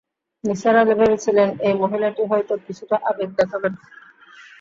নিসার আলি ভেবেছিলেন, এই মহিলাটি হয়তো কিছুটা আবেগ দেখাবেন।